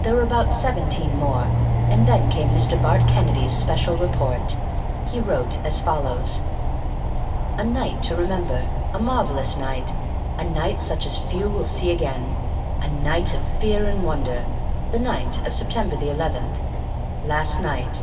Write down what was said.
There were about seventeen more, and then came Mr. Bart Kennedy's special report. He wrote as follows: "A night to remember. A marvellous night. A night such as few will see again. A night of fear and wonder. The night of September the eleventh. Last night.